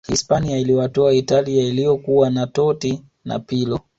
hispania iliwatoa italia iliyokuwa na totti na pirlo